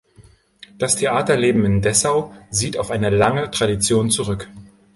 Das Theaterleben in Dessau sieht auf eine lange Tradition zurück.